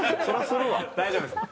大丈夫ですか？